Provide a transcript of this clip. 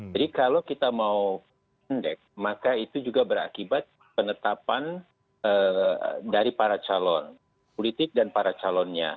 jadi kalau kita mau pendek maka itu juga berakibat penetapan dari para calon politik dan para calonnya